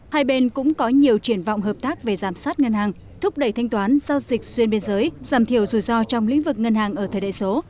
hai bên cũng có nhiều triển vọng hợp tác về giảm sát ngân hàng thúc đẩy thanh toán giao dịch xuyên biên giới giảm thiểu rủi ro trong lĩnh vực ngân hàng ở thời đại số